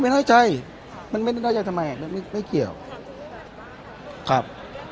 น้อยใจมันไม่น้อยใจทำไมมันไม่ไม่เกี่ยวครับ